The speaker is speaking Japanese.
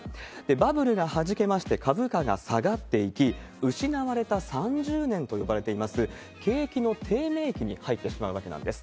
バブルが弾けまして、株価が下がっていき、失われた３０年と呼ばれています、景気の低迷期に入ってしまうわけなんです。